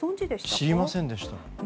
知りませんでした。